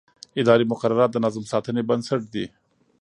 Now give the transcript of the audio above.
اداري مقررات د نظم ساتنې بنسټ دي.